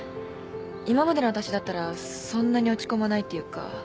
今までの私だったらそんなに落ち込まないっていうか